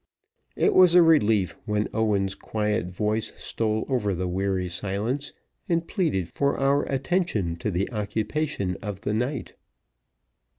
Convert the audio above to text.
It was a relief when Owen' s quiet voice stole over the weary silence, and pleaded for our attention to the occupation of the night.